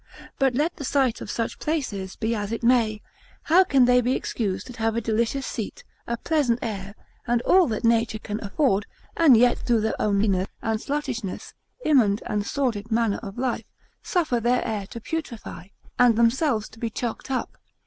But let the site of such places be as it may, how can they be excused that have a delicious seat, a pleasant air, and all that nature can afford, and yet through their own nastiness, and sluttishness, immund and sordid manner of life, suffer their air to putrefy, and themselves to be chocked up?